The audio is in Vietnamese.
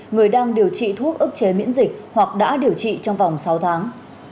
người đang điều trị thuốc ức chế miễn dịch hoặc đã điều trị trong vòng sáu tháng